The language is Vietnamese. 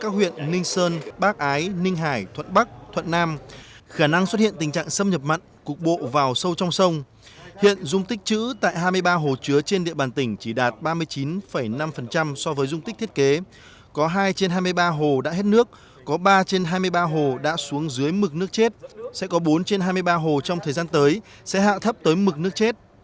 tịch xe tây sơn bác ái ninh hải thuận bắc thuận nam khả năng xuất hiện tình trạng xâm nhập mặn cục bộ vào sâu trong sông hiện dung tích chữ tại hai mươi ba hồ chứa trên địa bàn tỉnh chỉ đạt ba mươi chín năm so với dung tích thiết kế có hai trên hai mươi ba hồ đã hết nước có ba trên hai mươi ba hồ đã xuống dưới mực nước chết sẽ có bốn trên hai mươi ba hồ trong thời gian tới sẽ hạ thấp tới mực nước chết